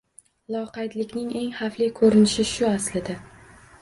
Loqaydlikning eng xavfli ko‘rinishi shu aslida.